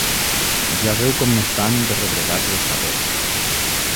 Ja veu com n'estan, de rebregats, els papers.